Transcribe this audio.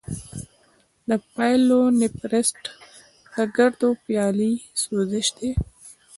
د پايلونیفریټس د ګردو پیالې سوزش دی.